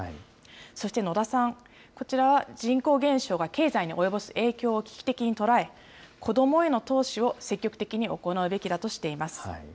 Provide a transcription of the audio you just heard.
そして野田さん、こちらは人口減少が経済に及ぼす影響を危機的に捉え、子どもへの投資を積極的に行うべきだとしています。